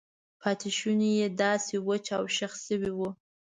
پاتې شونې یې داسې وچ او شخ شوي وو.